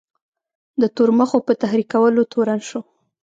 د تورمخو په تحریکولو تورن شو.